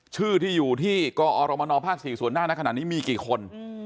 ชื่อที่อยู่ที่กอรมนภ๔ส่วนหน้าในขณะนี้มีกี่คน